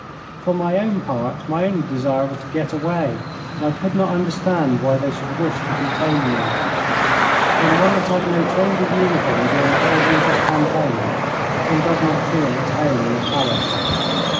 For my own part, my only desire was to get away, and I could not understand why they should wish to detain me. When one has had no change of uniform during a whole winter's campaign, one does not feel at home in a palace.